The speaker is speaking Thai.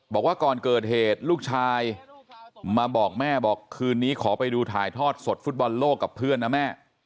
บอกว่าก่อนเกิดเหตุลูกชายมาบอกแม่บอกคืนนี้ขอไปดูถ่ายทอดสดฟุตบอลโลกกับเพื่อนนะแม่